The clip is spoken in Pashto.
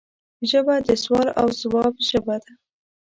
ژبه د سوال او ځواب ژبه ده